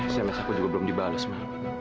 si mes aku juga belum dibalas ma